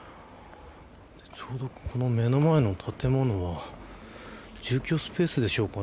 ちょうどこの目の前の建物は住居スペースでしょうか。